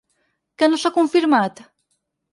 Què no s’ha confirmat?